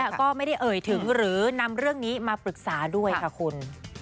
แล้วก็ไม่ได้เอ่ยถึงหรือนำเรื่องนี้มาปรึกษาด้วยค่ะคุณ